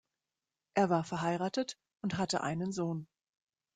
Er war verheiratet und hatte einen Sohn.